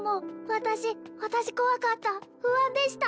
私私怖かった不安でした